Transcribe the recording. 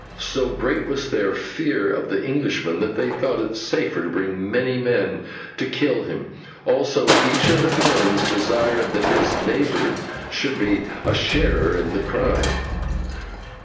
So great was their fear of the Englishman, that they thought it safer to bring many men to kill him, also each of the villains desired that his neighbour should be a sharer in the crime.